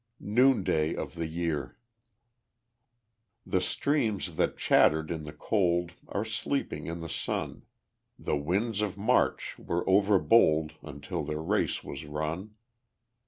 Noonday of the Year The streams that chattered in the cold Are sleeping in the sun; The winds of March were overbold Until their race was run.